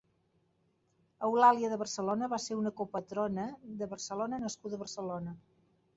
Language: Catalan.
Eulàlia de Barcelona va ser una copatrona de Barcelona nascuda a Barcelona.